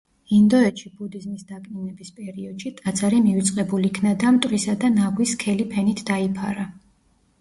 ინდოეთში ბუდიზმის დაკნინების პერიოდში, ტაძარი მივიწყებულ იქნა და მტვრისა და ნაგვის სქელი ფენით დაიფარა.